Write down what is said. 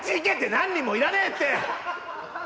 何人もいらねえって！